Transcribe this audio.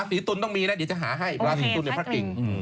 ซี่หวาเสี้ยวก็